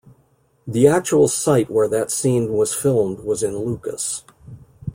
The actual site where that scene was filmed was in Lucas.